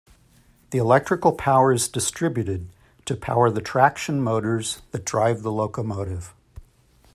The electrical power is distributed to power the traction motors that drive the locomotive.